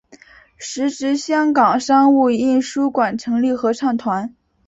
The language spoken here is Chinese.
时值香港商务印书馆成立合唱团。